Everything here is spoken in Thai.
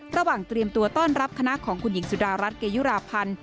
เตรียมตัวต้อนรับคณะของคุณหญิงสุดารัฐเกยุราพันธ์